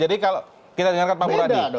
jadi kalau kita dengarkan pak muradi